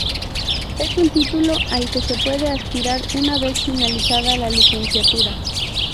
Es un título al que se puede aspirar una vez finalizada la Licenciatura.